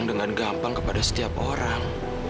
dengan gampang kepada setiap orang